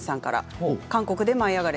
韓国で「舞いあがれ！」